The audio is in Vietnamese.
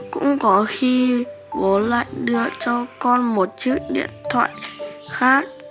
cũng có khi bố lại đưa cho con một chiếc điện thoại khác